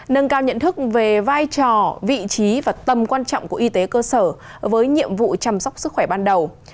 nâng cao nhận thức về vai trò vị trí và tầm quan trọng của y tế cơ sở với nhiệm vụ chăm sóc sức khỏe ban đầu